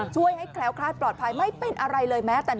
ช่วยให้แคล้วคลาดปลอดภัยไม่เป็นอะไรเลยแม้แต่